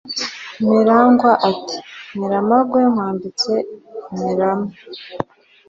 mirangwa ati: “miramagwe nkwambitse imirama!”